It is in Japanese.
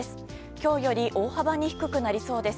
今日より大幅に低くなりそうです。